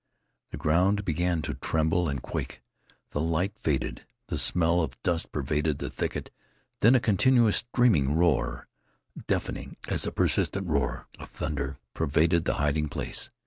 The ground began to tremble and quake: the light faded; the smell of dust pervaded the thicket, then a continuous streaming roar, deafening as persistent roll of thunder, pervaded the hiding place.